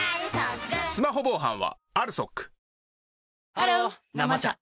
ハロー「生茶」